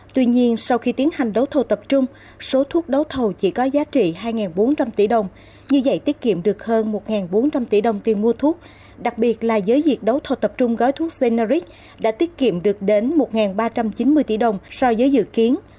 tuy nhiên sau khi tiến hành đấu thầu tập trung số thuốc đấu thầu chỉ có giá trị hai bốn trăm linh tỷ đồng như vậy tiết kiệm được hơn một bốn trăm linh tỷ đồng tiền mua thuốc đặc biệt là giới việc đấu thầu tập trung gói thuốc ceneric đã tiết kiệm được đến một ba trăm chín mươi tỷ đồng so với dự kiến